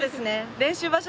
練習場所？